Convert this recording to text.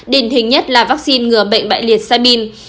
đình hình nhất là vaccine ngừa bệnh bại liệt sibin